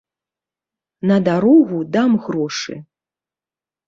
На дарогу дам грошы.